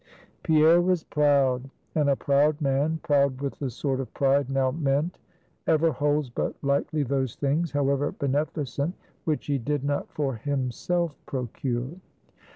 Pierre was proud; and a proud man proud with the sort of pride now meant ever holds but lightly those things, however beneficent, which he did not for himself procure.